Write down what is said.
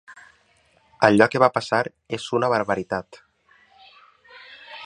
Allò que va passar és una barbaritat.